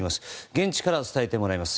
現地から伝えてもらいます。